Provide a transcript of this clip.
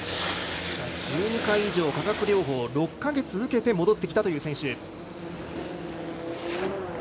１２回以上の化学療法を６か月続けて戻ってきたという選手。